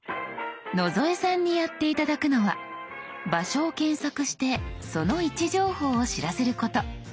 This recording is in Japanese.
野添さんにやって頂くのは場所を検索してその位置情報を知らせること。